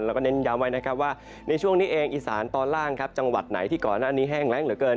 เราก็เน้นย้ำไว้ว่าในช่วงนี้เองอิสานตอนล่างจังหวัดไหนที่ก่อนอันนี้แห้งแรงเหลือเกิน